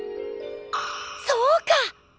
そうか！